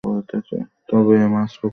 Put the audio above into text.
তবে এ মাছ পুকুরে চাষ করা সম্ভব।